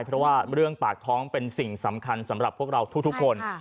เพราะว่าเรื่องปากท้องเป็นสิ่งสำคัญสำหรับพวกเราทุกคน